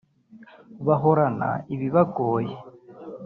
bahorana ibibagoye